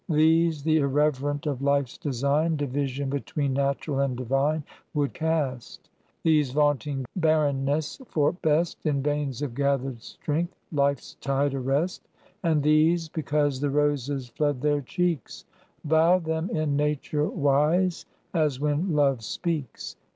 These, the irreverent of Life's design, Division between natural and divine Would cast; these vaunting barrenness for best, In veins of gathered strength Life's tide arrest; And these because the roses flood their cheeks, Vow them in nature wise as when Love speaks.